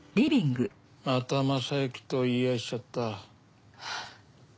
また昌之と言い合いしちゃった。